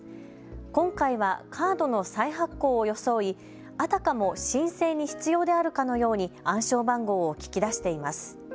今回はカードの再発行を装いあたかも申請に必要であるかのように暗証番号を聞き出しています。